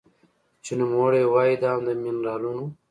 چې نوموړې وايي دا هم د مېنرالونو